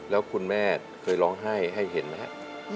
แล้วคุณแม่เคยร้องไห้ให้เห็นไหมครับ